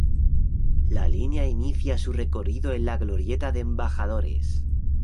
La línea inicia su recorrido en la Glorieta de Embajadores.